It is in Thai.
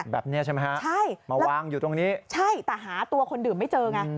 แบบนี้ใช่ไหมฮะใช่มาวางอยู่ตรงนี้ใช่แต่หาตัวคนดื่มไม่เจอไง